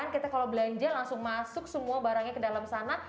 kita kalau belanja langsung masuk semua barangnya ke dalam sana